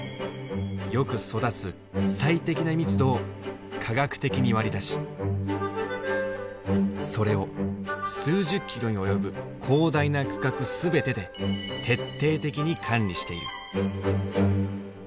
よく育つ最適な密度を科学的に割り出しそれを数十キロに及ぶ広大な区画全てで徹底的に管理している。